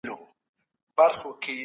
هغوی به ډېر ژر یو نوی کور واخلي.